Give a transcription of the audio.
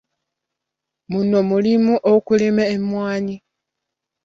Muno mulimu okulima emmwaanyi.